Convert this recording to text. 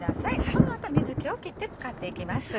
その後水気を切って使っていきます。